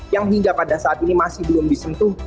yang hingga pada saat ini masih belum disentuh